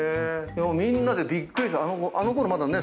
みんなでびっくりした。